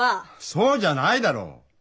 そうじゃないだろ。